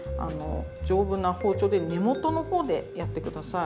丈夫な包丁で根元の方でやって下さい。